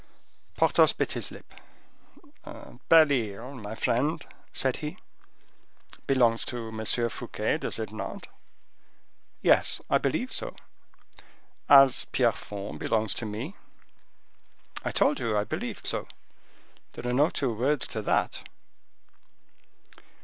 Porthos bit his lip. "Belle Isle, my friend," said he, "belongs to M. Fouquet, does it not?" "Yes, I believe so." "As Pierrefonds belongs to me?" "I told you I believed so; there are no two words to that."